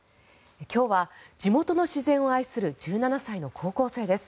今日は、地元の自然を愛する１７歳の高校生です。